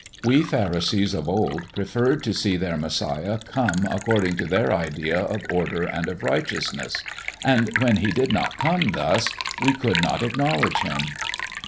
We pharisees of old preferred to see their Messiah come according to their idea of order and of righteousness, and when He did not come thus, we could not acknowledge Him.